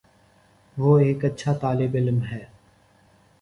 وہ ایک اچھا طالب علم ہے